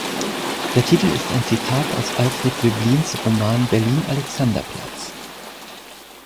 Der Titel ist ein Zitat aus Alfred Döblins Roman "Berlin Alexanderplatz".